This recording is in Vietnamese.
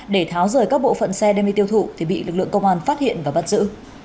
để tháo rời các bộ phận xe đem đi tiêu thụ thì bị lực lượng công an phát hiện và bắt giữ